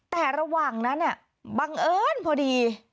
แต่ระหว่างนั้นบังเอิญพอดี